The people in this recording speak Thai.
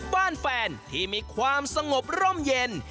แฟนที่มีความสงบร่มเย็น